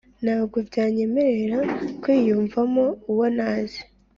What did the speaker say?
ntabwo byanyemerera kwiyumvamo uwo ntazi